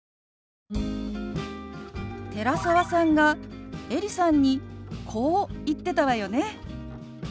寺澤さんがエリさんにこう言ってたわよね。